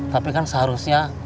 tapi kan seharusnya